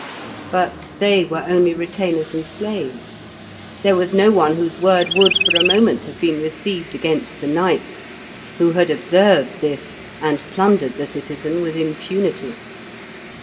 But they were only retainers and slaves; there was no one whose word would for a moment have been received against the knight's, who had observed this, and plundered the citizen with impunity.